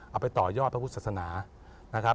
เอาไปต่อยอดพระพุทธศาสนา